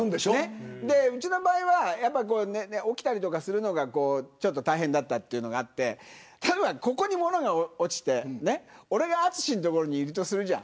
うちの場合は起きたりするのが大変だったというのがあって例えば、ここに物が落ちて俺が淳の所にいるとする。